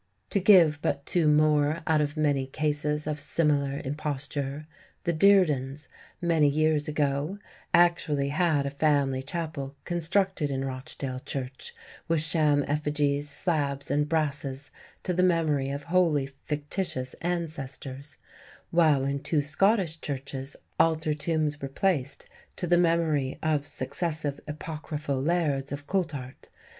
To give but two more out of many cases of similar imposture, the Deardens, many years ago, actually had a family chapel constructed in Rochdale Church with sham effigies, slabs, and brasses to the memory of wholly fictitious ancestors; while in two Scottish churches altar tombs were placed to the memory of successive apocryphal lairds of Coulthart.